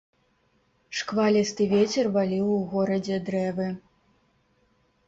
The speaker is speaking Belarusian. Шквалісты вецер валіў у горадзе дрэвы.